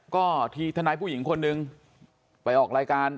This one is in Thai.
ก็ทีทนายผู้หญิงคนหนึ่งไปออกรายการ